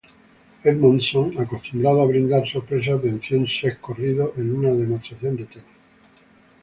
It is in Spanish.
Edmondson, acostumbrado a brindar sorpresas, venció en sets corridos en una demostración de tenis.